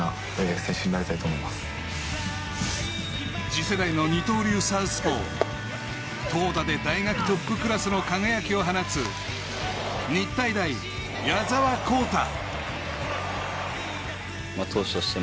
次世代の二刀流サウスポー、投打で大学トップクラスの輝きを放つ日体大・矢澤宏太。